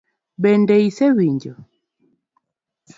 Bende osewinjo?